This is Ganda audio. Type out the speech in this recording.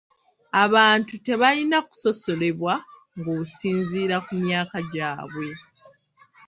Abantu tebalina kusosolebwa ng'osinziira ku myaka gyabwe .